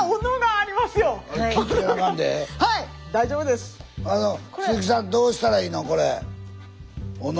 あの鈴木さんどうしたらいいの？